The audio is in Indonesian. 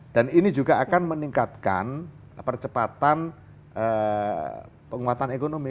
ini juga akan meningkatkan percepatan penguatan ekonomi